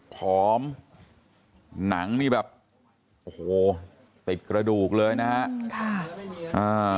หอมหนังนี่แบบโอ้โหติดกระดูกเลยนะฮะ